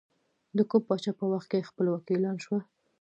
د کوم پاچا په وخت کې خپلواکي اعلان شوه؟